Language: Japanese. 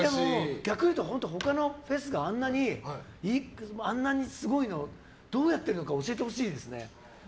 逆に言うと他のフェスがあんなにすごいのはどうやってるのか教えてほしいですね。